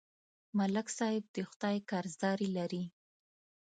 ملک صاحب د خدای قرضداري لري